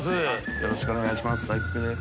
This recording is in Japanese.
よろしくお願いします。